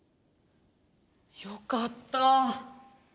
よかった。